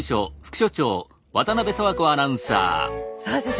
さあ所長